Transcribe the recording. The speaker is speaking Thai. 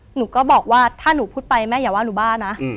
หนูก็บอกว่าถ้าหนูพูดไปแม่อย่าว่าหนูบ้านะ